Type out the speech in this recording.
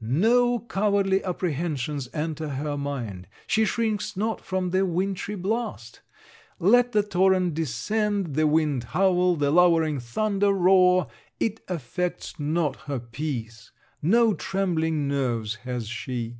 No cowardly apprehensions enter her mind. She shrinks not from the wintry blast. Let the torrent descend, the wind howl, the lowering thunder roar: it affects not her peace. No trembling nerves has she!